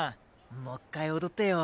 もっかい踊ってよ